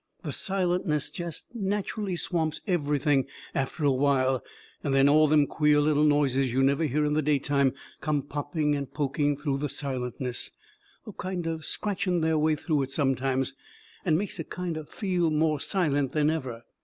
The silentness jest natcherally swamps everything after a while, and then all them queer little noises you never hear in the daytime comes popping and poking through the silentness, or kind o' scratching their way through it sometimes, and makes it kind o' feel more silent than ever.